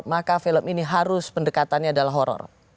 maka film ini harus pendekatannya adalah horror